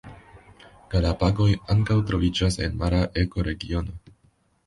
Galapagoj ankaŭ troviĝas en mara ekoregiono.